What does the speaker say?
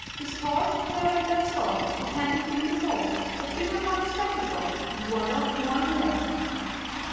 His horse, who never in that sort Had handled been before, What thing upon his back had got, Did wonder more and more.